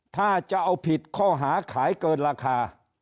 ถ้าจะเอาผิดข้อหาขายเกินราคา